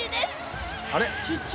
あれ？